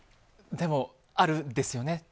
でも、あるんですよね？